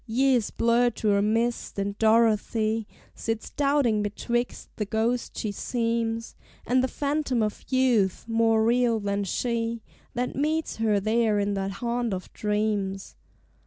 Years blur to a mist; and Dorothy Sits doubting betwixt the ghost she seems, And the phantom of youth, more real than she, That meets her there in that haunt of dreams.